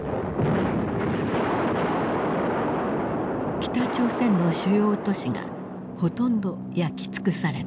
北朝鮮の主要都市がほとんど焼き尽くされた。